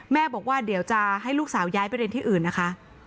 บอกว่าเดี๋ยวจะให้ลูกสาวย้ายไปเรียนที่อื่นนะคะ